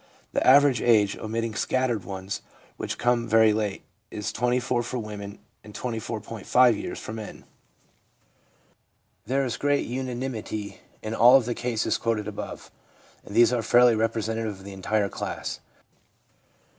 The average age, omitting scattered ones which come very late, is 24 for women and 24.5 years for men. There is great unanimity in all of the cases quoted above, and these are fairly representative of the entire class.